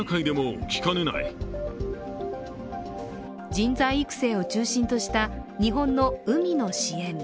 人材育成を中心とした日本の海の支援。